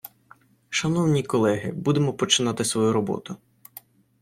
Шановні колеги, будемо починати свою роботу.